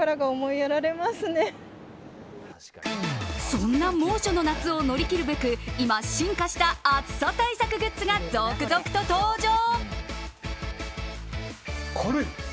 そんな猛暑の夏を乗り切るべく今、進化した暑さ対策グッズが続々と登場。